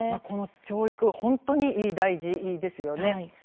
この教育本当に大事ですよね。